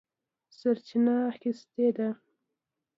سرچینه اخیستې ده.